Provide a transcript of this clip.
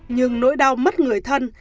nhưng nỗi đau mất người thân